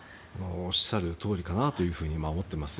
おっしゃるとおりかなと思っています。